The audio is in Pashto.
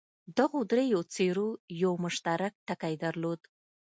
دغو دریو څېرو یو مشترک ټکی درلود.